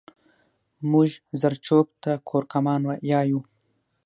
مونږ زرچوب ته کورکمان يايو